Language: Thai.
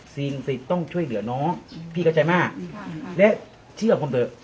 สิ่งสิทธิ์ต้องช่วยเหลือน้องพี่เข้าใจมากและเชื่อผมเถอะ